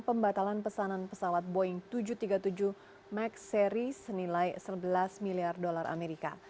pembatalan pesanan pesawat boeing tujuh ratus tiga puluh tujuh max series senilai sebelas miliar dolar amerika